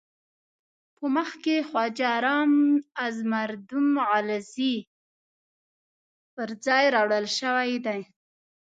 په مخ کې خواجه رام از مردم غلزی پر ځای راوړل شوی دی.